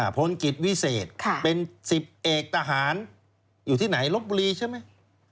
พลกิจวิเศษเป็น๑๐เอกทหารอยู่ที่ไหนลบบุรีใช่ไหม